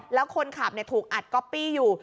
แล้วคนขับถูกอัดก๊อปปี้อยู่